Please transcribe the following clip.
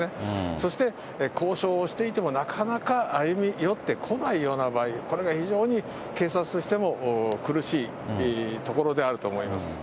そして交渉をしていても、なかなか歩み寄ってこないような場合、これが非常に警察としても苦しいところであると思います。